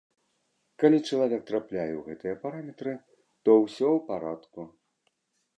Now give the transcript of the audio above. Калі чалавек трапляе ў гэтыя параметры, то ўсё ў парадку.